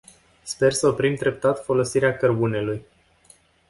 Sper să oprim treptat folosirea cărbunelui.